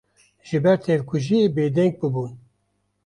ji ber tevkujiyê bêdeng bûbûn